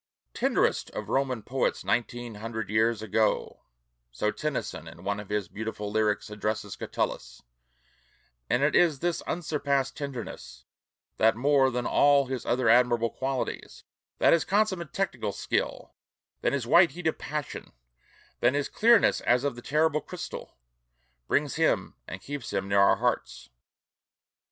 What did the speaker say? "Tenderest of Roman poets nineteen hundred years ago " so Tennyson in one of his own beautiful lyrics addresses Catullus; and it is this unsurpassed tenderness that more than all his other admirable qualities, than his consummate technical skill, than his white heat of passion, than his "clearness as of the terrible crystal," brings him and keeps him near our hearts.